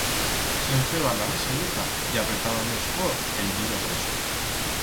Se'n feba la risalleta y apretaba mes fort el dido preso.